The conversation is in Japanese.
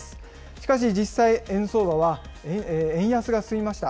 しかし実際、円相場は円安が進みました。